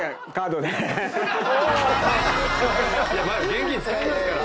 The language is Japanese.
まだ現金使いますから。